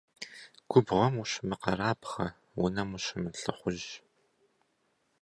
Губгъуэм ущымыкъэрабгъэ, унэм ущымылӀыхъужь.